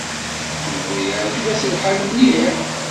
Yuba yeɛjeb-as lḥal mliḥ.